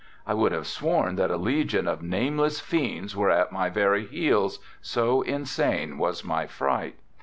I would have sworn that a legion of nameless fiends were at my very heels, so insane was my fright.